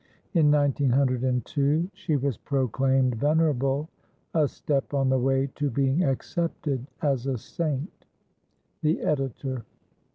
In 1902, she was proclaimed "Venerable," a step on the way to being accepted as a "Saint." The Editor.